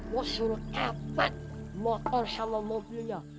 bos suruh kepet motor sama mobilnya